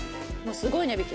すごい値引き？